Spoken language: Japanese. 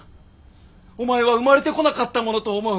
「お前は生まれてこなかったものと思う」